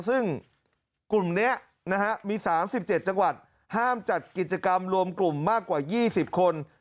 ซึ่งกลุ่มนี้มี๓๗จังหวัดห้ามจัดกิจกรรมรวมกลุ่มมากกว่า๒๐คน